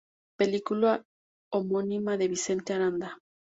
Película homónima de Vicente Aranda.